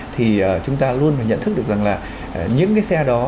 thì chúng ta luôn phải nhận thức được rằng là những cái xe đó